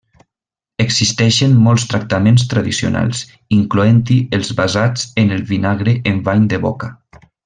Existeixen molts tractaments tradicionals, incloent-hi els basats en el vinagre en bany de boca.